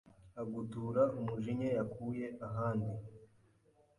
agutura umujinya yakuye ahandi.